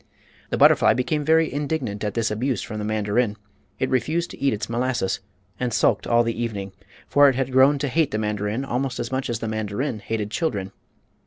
The butterfly became very indignant at this abuse from the mandarin. It refused to eat its molasses and sulked all the evening, for it had grown to hate the mandarin almost as much as the mandarin hated children.